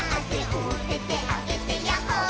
「おててあげてヤッホー」